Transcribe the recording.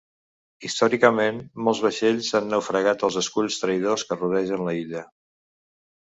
Històricament, molts vaixells han naufragat als esculls traïdors que rodegen la illa.